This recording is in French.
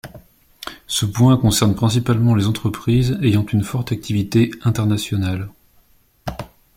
Ce point concerne principalement les entreprises ayant une forte activité internationale.